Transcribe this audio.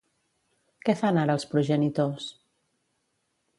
Què fan ara els progenitors?